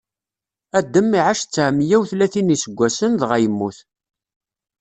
Adam iɛac tteɛmeyya u tlatin n iseggasen, dɣa yemmut.